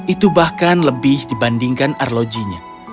itu bahkan lebih dibandingkan arlojinya